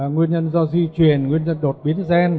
nguyên nhân do di chuyển nguyên nhân đột biến gen